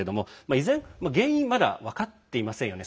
依然、原因まだ分かっていませんよね。